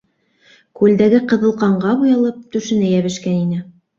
Күлдәге ҡыҙыл ҡанға буялып, түшенә йәбешкән ине.